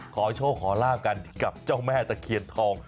ขอโชคขอลาบกันกับเจ้าแม่ตะเคียนทอง